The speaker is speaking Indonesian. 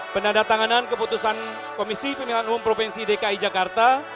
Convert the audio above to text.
penandatanganan keputusan komisi pemilihan umum provinsi dki jakarta